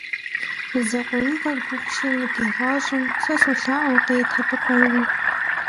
Закъуэныгъэр гугъущи мы ди гъащӏэм, сэ солъаӏуэ — къет абы къару.